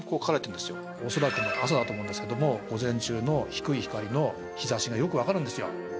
おそらく朝だと思うんですけども午前中の低い光の日ざしがよくわかるんですよ。